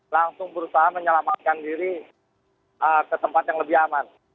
langsung berusaha menyelamatkan diri ke tempat yang lebih aman